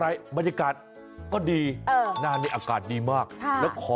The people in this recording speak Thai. อันนี้อากาศดีมาก